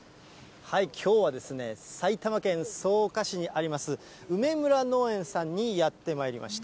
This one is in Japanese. きょうはですね、埼玉県草加市にあります、梅村農園さんにやってまいりました。